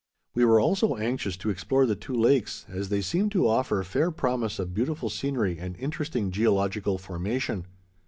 We were also anxious to explore the two lakes, as they seemed to offer fair promise of beautiful scenery and interesting geological formation.